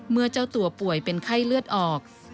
เมื่อเจ้าตัวป่วยเป็นไข้เลือดออก